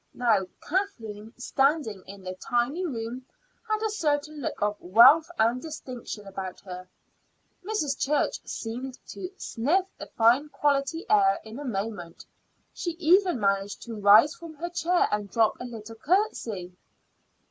Now, Kathleen, standing in the tiny room, had a certain look of wealth and distinction about her. Mrs. Church seemed to sniff the fine quality air in a moment; she even managed to rise from her chair and drop a little curtsy.